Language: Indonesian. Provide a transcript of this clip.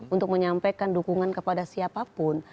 untuk menyampaikan dukungan kepada siapapun